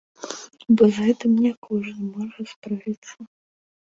Бо з гэтым не кожны можа справіцца.